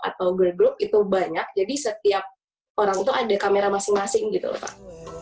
atau girl group itu banyak jadi setiap orang itu ada kamera masing masing gitu loh pak